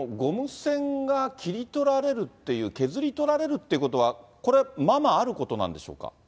栓が切り取られるっていう、削り取られるっていうことは、これはままあることなんでしょうか。